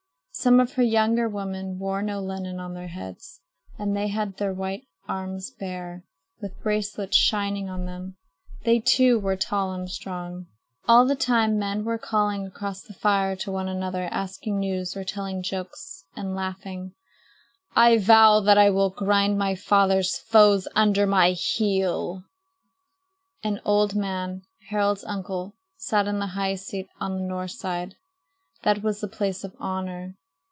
Some of her younger women wore no linen on their heads and had their white arms bare, with bracelets shining on them. They, too, were tall and strong. All the time men were calling across the fire to one another asking news or telling jokes and laughing. An old man, Harald's uncle, sat in the high seat on the north side. That was the place of honor.